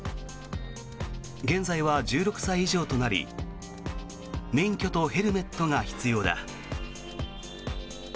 現在は１６歳以上となり免許とヘルメットが必要だ。